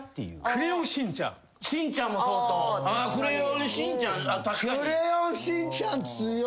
『クレヨンしんちゃん』強い。